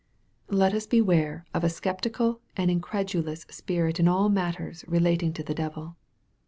Let us beware of a sceptical and incredulous spirit in all matters relating to the devil.